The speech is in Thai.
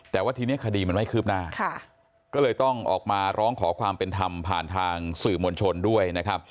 แต่ว่าทีนี้คดีมันไม่คืบหน้าก็เลยต้องออกมาร้องขอความเป็นธรรมผ่านทางสื่อมวลชนด้วยนะครับ